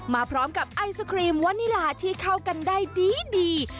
มาพร้อมกับไอศครีมวานิลาที่เข้ากันได้ดี